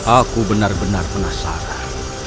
aku benar benar penasaran